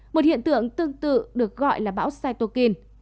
một hiện tượng tương tự được gọi là bão saitukin